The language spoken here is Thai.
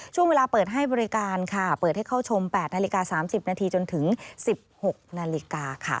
ช่วงเวลาเปิดให้บริการค่ะเปิดให้เข้าชม๘นาฬิกา๓๐นาทีจนถึง๑๖นาฬิกาค่ะ